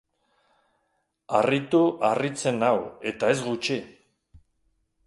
Harritu harritzen nau eta ez gutxi.